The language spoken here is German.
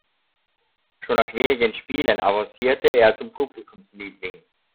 Schon nach wenigen Spielen avancierte er zum Publikumsliebling.